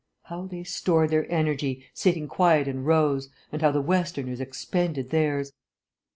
How they stored their energy, sitting quiet in rows, and how the Westerners expended theirs!